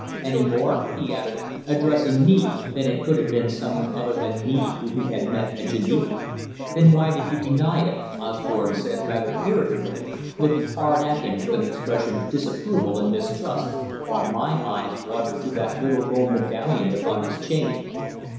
Any more," he added, addressing me, than it could have been someone other than me whom you met in Geneva?" "Then why did you deny it?" Osborne said rather irritably, looking hard at him with an expression of disapproval and mistrust, while my eyes wandered to that little gold medallion upon his chain.